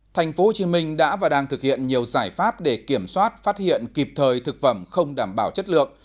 thành phố hồ chí minh đã và đang thực hiện nhiều giải pháp để kiểm soát phát hiện kịp thời thực phẩm không đảm bảo chất lượng